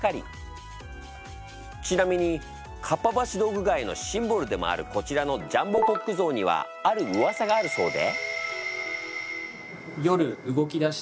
ちなみにかっぱ橋道具街のシンボルでもあるこちらのジャンボコック像にはあるウワサがあるそうで。